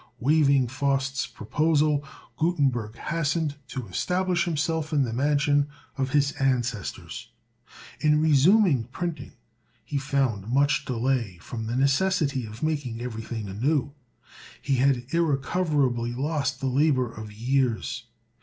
Waiving Faust's proposal, Gutenberg hastened to establish himself in the mansion of his ancestors. In resuming printing, he found much delay from the necessity of making everything anew. He had irrecoverably lost the labor of years.